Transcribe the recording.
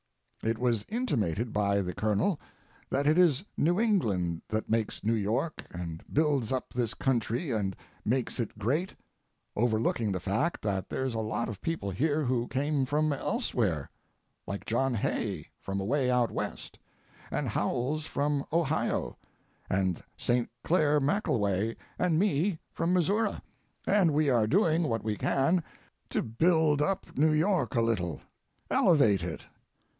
It was intimated by the Colonel that it is New England that makes New York and builds up this country and makes it great, overlooking the fact that there's a lot of people here who came from elsewhere, like John Hay from away out West, and Howells from Ohio, and St. Clair McKelway and me from Missouri, and we are doing what we can to build up New York a little elevate it.